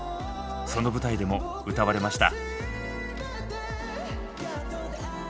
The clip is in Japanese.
その舞台でも歌われました。